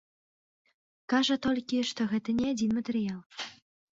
Кажа толькі, што гэта не адзін матэрыял.